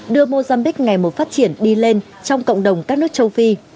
đưa mozambiqu ngày một phát triển đi lên trong cộng đồng các nước châu phi